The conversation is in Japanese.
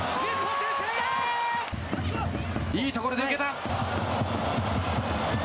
いいところに抜けた。